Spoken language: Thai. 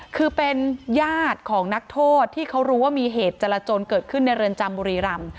คือเป็นญาติของนักโทษที่เขารู้ว่ามีเหตุจรจนเกิดขึ้นในเรือนจำบุรีรำ